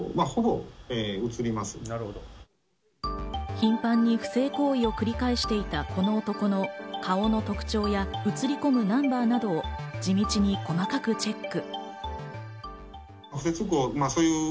頻繁に不正行為を繰り返していたこの男の顔の特徴や映り込むナンバーなどを地道に細かくチェック。